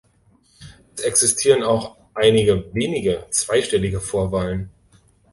Es existieren auch einige wenige zweistellige Vorwahlen.